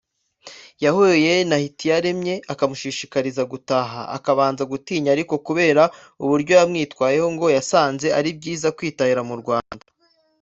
yahuye na Hitiyaremye akamushishikariza gutaha akabanza gutinya ariko kubera uburyo yamwitayeho ngo yasanze ari byiza kwitahira mu Rwanda